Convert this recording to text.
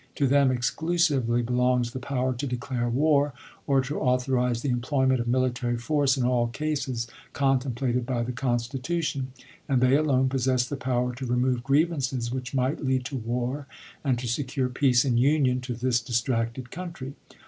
To them, exclusively, belongs the power to declare war, or to authorize the employment of military force in all cases contemplated by the Constitution ; and they alone possess the power to remove grievances which might lead to war, and to secure peace and union to this dis tracted country.